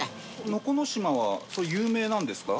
能古島はそれ有名なんですか？